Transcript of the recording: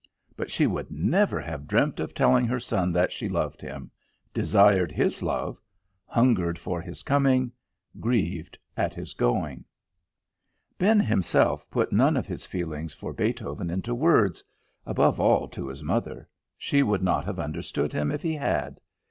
But she would never have dreamt of telling her son that she loved him, desired his love, hungered for his coming, grieved at his going. Ben himself put none of his feeling for Beethoven into words, above all to his mother; she would not have understood him if he had.